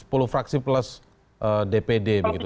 sepuluh fraksi plus dpd begitu